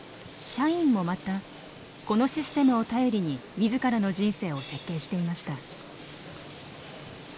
社員もまたこのシステムを頼りに自らの人生を設計していました。